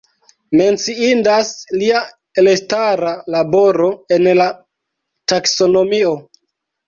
Menciindas lia elstara laboro en la taksonomio.